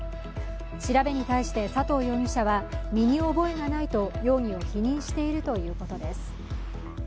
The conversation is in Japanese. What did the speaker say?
調べに対して佐藤容疑者は、身に覚えがないと容疑を否認しているということです。